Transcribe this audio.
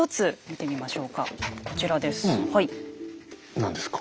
何ですか。